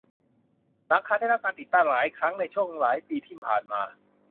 หลังคาได้รับการติดตั้งหลายครั้งในช่วงหลายปีที่ผ่านมา